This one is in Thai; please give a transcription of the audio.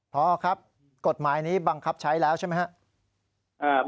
พอครับกฎหมายนี้บังคับใช้แล้วใช่ไหมครับ